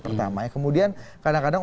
pertama kemudian kadang kadang